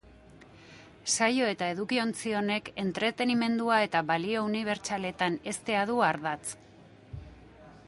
Saio eta edukiontzi honek entretenimendua eta balio unibertsaletan heztea du ardatz.